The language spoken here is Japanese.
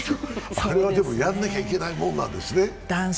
あれはでも、やんなきゃいけないものなんですね。